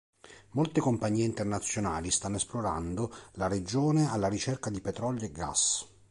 Molte compagnie internazionali stanno esplorando la regione alla ricerca di petrolio e gas.